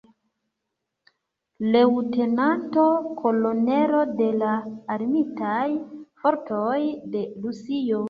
Leŭtenanto Kolonelo de la Armitaj Fortoj de Rusio.